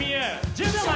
１０秒前。